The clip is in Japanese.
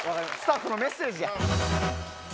スタッフのメッセージや。